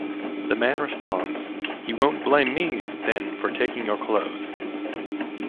The man responds: You won't blame me, then, for taking your clothes.